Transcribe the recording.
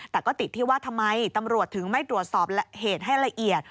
แต่ก็ติดที่ว่าทำไมตำรวจถึงไม่ตรวจสอบเหตุให้ละเอียด